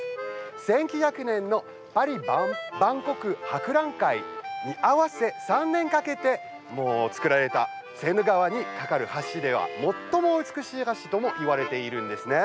１９００年のパリ万国博覧会に合わせ３年かけて造られたセーヌ川に架かる橋では最も美しい橋ともいわれているんですね。